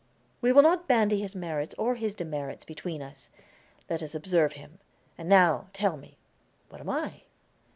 "We will not bandy his merits or his demerits between us. Let us observe him. And now, tell me, what am I?"